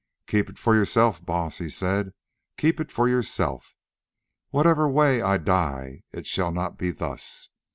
"Keep it for yourself, Baas," he said, "keep it for yourself. Whatever way I die it shall not be thus.